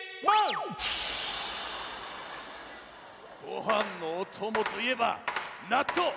ごはんのおともといえばなっとう！